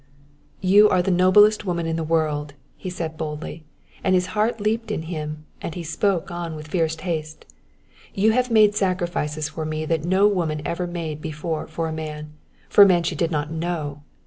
"You are the noblest woman in the world," he said boldly, and his heart leaped in him and he spoke on with a fierce haste. "You have made sacrifices for me that no woman ever made before for a man for a man she did not know!